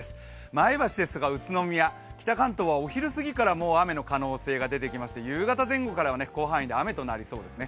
前橋ですとか宇都宮、北関東はお昼すぎから雨の可能性が出てきまして夕方前後は広範囲で雨となりそうですね。